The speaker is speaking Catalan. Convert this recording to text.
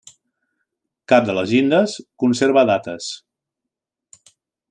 Cap de les llindes conserva dates.